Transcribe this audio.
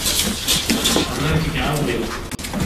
Rran-k deg uɛewwiq.